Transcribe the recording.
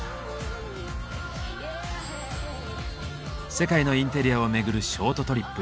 世界のインテリアを巡るショートトリップ。